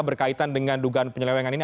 berkaitan dengan dugaan penyelewengan ini